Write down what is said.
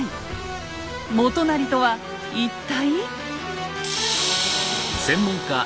元就とは一体。